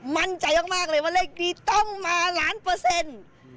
มั่นใจมากเลยว่าเลขนี้ต้องมาล้านเปอร์เซ็นต์